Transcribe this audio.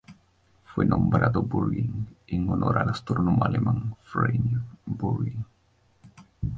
Fue nombrado Börngen en honor al astrónomo alemán Freimut Börngen.